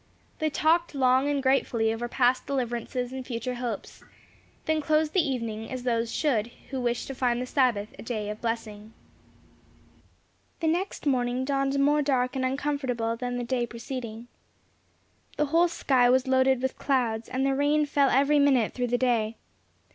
They talked long and gratefully over past deliverances and future hopes; then closed the evening as those should who wish to find the Sabbath a day of blessing. The next morning dawned more dark and uncomfortable than the day preceding. The whole sky was loaded with clouds, and the rain fell every minute through the day.